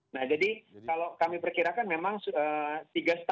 nah jadi kalau kami perkirakan memang tiga lima